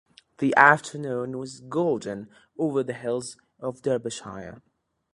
The afternoon was golden over the hills of Derbyshire.